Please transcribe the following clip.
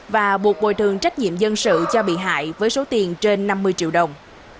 và buộc bồi thường trách nhiệm dân sự cho bị hại với số tiền trên năm mươi triệu đồng